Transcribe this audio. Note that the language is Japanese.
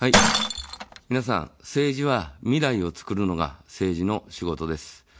皆さん、政治は未来をつくるのが政治の仕事です。